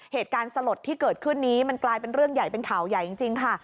เหตุการณ์สลดที่เกิดขึ้นนี้มันกลายเป็นเรื่องใหญ่เป็นข่าวใหญ่จริงค่ะ